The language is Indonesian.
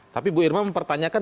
tapi bu irma mempertanyakan